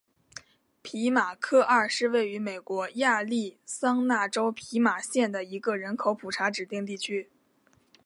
皮马科二是位于美国亚利桑那州皮马县的一个人口普查指定地区。